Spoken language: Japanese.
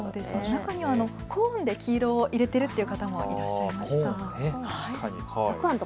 中にはコーンで黄色を入れているって方もいらっしゃいました。